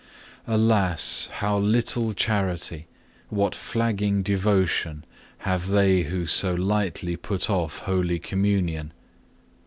5. Alas! how little charity, what flagging devotion, have they who so lightly put off Holy Communion.